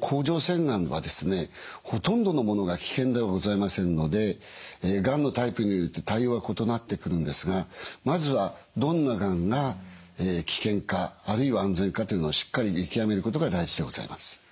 甲状腺がんはですねほとんどのものが危険ではございませんのでがんのタイプによって対応は異なってくるんですがまずはどんながんが危険かあるいは安全かというのをしっかり見極めることが大事でございます。